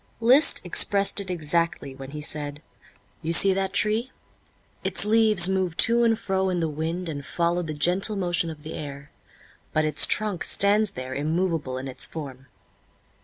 Liszt expressed it exactly when he said: "You see that tree? Its leaves move to and fro in the wind and follow the gentle motion of the air; but its trunk stands there immovable in its form."